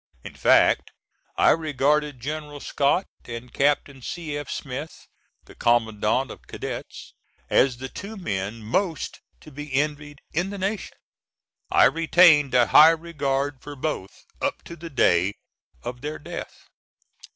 In fact I regarded General Scott and Captain C. F. Smith, the Commandant of Cadets, as the two men most to be envied in the nation. I retained a high regard for both up to the day of their death.